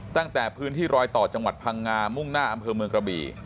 ตั้งแต่พื้นที่รอยต่อจังหวัดพังงามุ่งหน้าอำเภอเมืองกระบี่